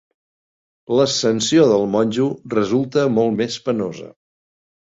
L'ascensió del monjo resulta molt més penosa.